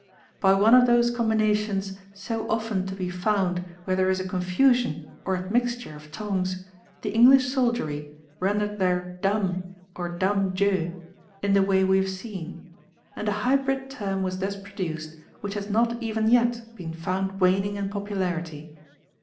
By one of those combinations so often to be found where there is a confusion or admixture of tongues, the English soldiery rendered their dame! or dame Dieu! in the way we have seen, and a hybrid term was thus produced which has not even yet been found waning in popularity.